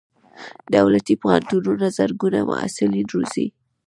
دولتي پوهنتونونه زرګونه محصلین روزي.